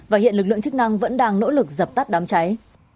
và hiện lực lượng chức năng vẫn đang nỗ lực dập tắt đám cháy